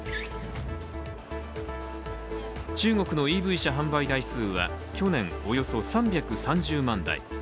中国のＥＶ車販売台数は去年、およそ３３０万台。